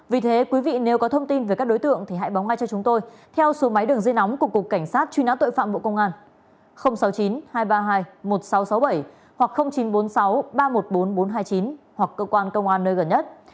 vì thế quý vị nếu có thông tin về các đối tượng thì hãy bóng ngay cho chúng tôi theo số máy đường dây nóng của cục cảnh sát truy nã tội phạm bộ công an sáu mươi chín hai trăm ba mươi hai một nghìn sáu trăm sáu mươi bảy hoặc chín trăm bốn mươi sáu ba trăm một mươi bốn nghìn bốn trăm hai mươi chín hoặc cơ quan công an nơi gần nhất